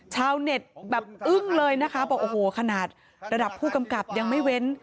ชาวเน็ตแบบอึ้งเลยนะคะบอกโอ้โหขนาดระดับผู้กำกับยังไม่เว้น